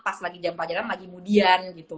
pas lagi jam pajaran lagi mudian